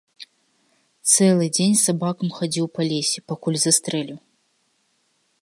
Цэлы дзень з сабакам хадзіў па лесе, пакуль застрэліў.